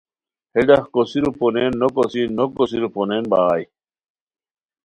ہے ڈاق کوسیرو پونین نوکوسی نو کوسیرو پونین بغائے